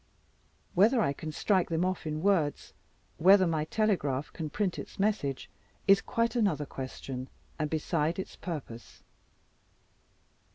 Whether I can strike them off in words whether my telegraph can print its message is quite another question, and beside its purpose.